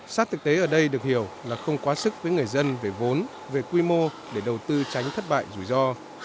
sát thực tế ở đây được hiểu là không quá sức với người dân về vốn về quy mô để đầu tư tránh thất bại rủi ro